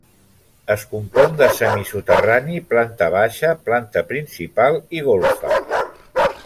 Es compon de semisoterrani, planta baixa, planta principal i golfa.